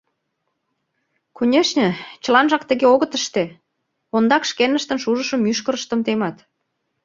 Конешне, чыланжак тыге огыт ыште — ондак шкеныштын шужышо мӱшкырыштым темат.